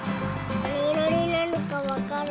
なにいろになるかわかる？